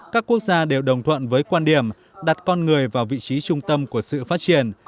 các quốc gia đều đồng thuận với quan điểm đặt con người vào vị trí trung tâm của sự phát triển